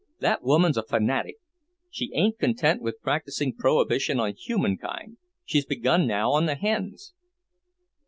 That woman's a fanatic. She ain't content with practising prohibition on humankind; she's begun now on the hens."